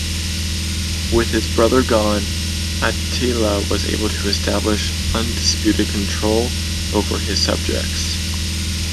With his brother gone, Attila was able to establish undisputed control over his subjects.